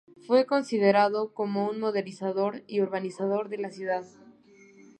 Fue considerado como un modernizador y urbanizador de la ciudad.